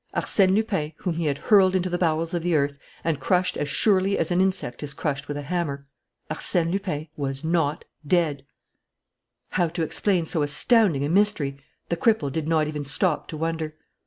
Arsène Lupin whom he had hurled into the bowels of the earth and crushed as surely as an insect is crushed with a hammer; Arsène Lupin was not dead! How to explain so astounding a mystery the cripple did not even stop to wonder.